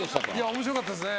面白かったですね。